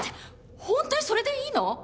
本当にそれでいいの？